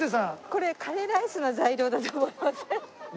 これカレーライスの材料だと思って。